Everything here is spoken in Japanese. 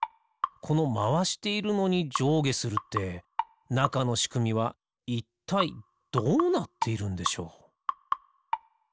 このまわしているのにじょうげするってなかのしくみはいったいどうなっているんでしょう？